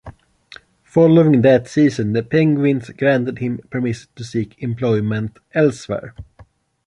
Following that season, the Penguins granted him permission to seek employment elsewhere.